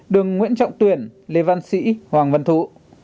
đường nguyễn trọng tuyển lê văn sĩ hoàng văn thụ